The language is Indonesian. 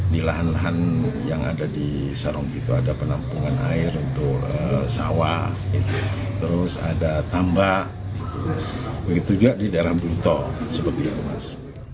di lahan lahan yang ada di sarong itu ada penampungan air untuk sawah terus ada tambak begitu juga di daerah buluto seperti itu mas